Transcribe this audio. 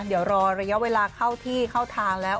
เดี๋ยวรอระยะเวลาเข้าทางแล้ว